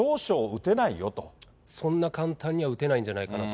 そんな簡単には打てないんじゃないかと。